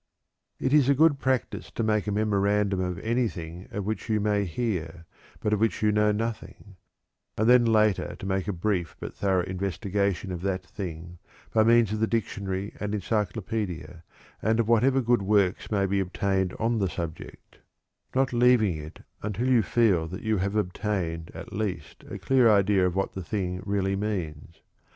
It is a good practice to make a memorandum of anything of which you may hear, but of which you know nothing, and then later to make a brief but thorough investigation of that thing, by means of the dictionary and encyclopedia, and of whatever good works may be obtained on the subject, not leaving it until you feel that you have obtained at least a clear idea of what the thing really means.